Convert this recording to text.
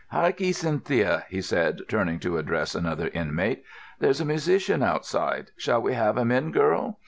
"Hark 'ee, Cynthia," he said, turning to address another inmate. "There's a musician outside. Shall we have him in, girl?